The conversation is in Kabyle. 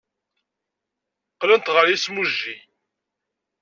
Qqlent ɣer yimsujji.